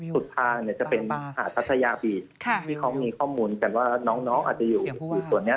สุดทางเนี่ยจะเป็นหาดพัทยาบีดที่เขามีข้อมูลกันว่าน้องอาจจะอยู่ส่วนนี้